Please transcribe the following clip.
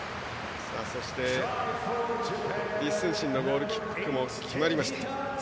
そして李承信のゴールキックも決まりました。